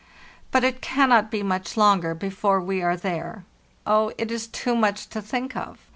But it cannot be much longer before we are there. Oh, it is too much to think of!